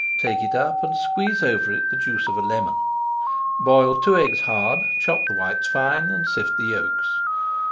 Take it up and squeeze over it the juice of a lemon. Boil two eggs hard, chop the whites fine and sift the yolks.